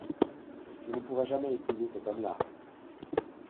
Je ne pourrai jamais épouser cet homme-là !